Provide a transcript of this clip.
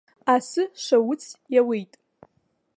Асы шауц иауеит.